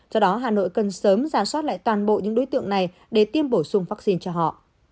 do đó hà nội cần sớm ra soát lại toàn bộ những đối tượng này để tiêm bổ sung vaccine cho họ